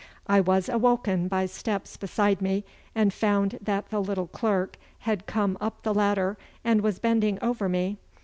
I was awoken by steps beside me, and found that the little clerk had come up the ladder and was bending over me.